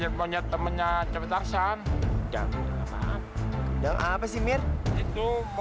aku ingin kalian masih hidup